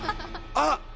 あっ！